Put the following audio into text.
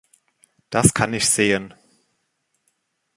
Das kann ich sehen.